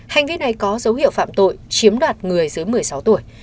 hành vi này có dấu hiệu phạm tội chiếm đoạt người dưới một mươi sáu tuổi